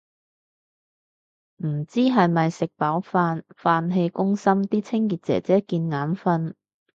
唔知係咪食飽飯，飯氣攻心啲清潔姐姐見眼訓